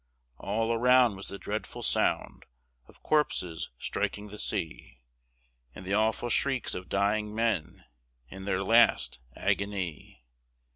All around was the dreadful sound Of corpses striking the sea, And the awful shrieks of dying men In their last agony.